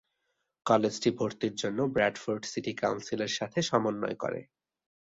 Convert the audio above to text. কলেজটি ভর্তির জন্য ব্র্যাডফোর্ড সিটি কাউন্সিলের সাথে সমন্বয় করে।